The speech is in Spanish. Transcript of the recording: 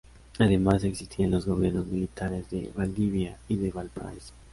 Además, existían los gobiernos militares de Valdivia y de Valparaíso.